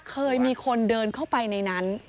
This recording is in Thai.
เคยมีคนเดินเข้าไปในนั้น